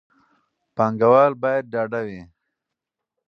پانګوال باید ډاډه وي.